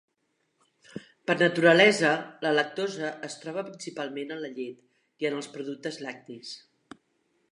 Per naturalesa, la lactosa es troba principalment en la llet i en els productes lactis.